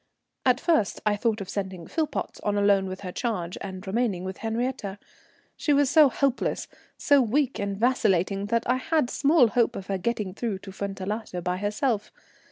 At first I thought of sending Philpotts on alone with her charge and remaining with Henriette. She was so helpless, so weak and vacillating that I had small hope of her getting through to Fuentellato by herself.